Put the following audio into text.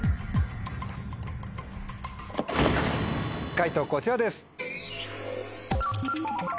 解答こちらです。